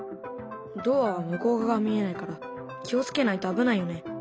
ドアは向こう側が見えないから気を付けないと危ないよね。